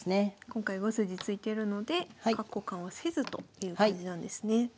今回５筋突いてるので角交換はせずという感じなんですね。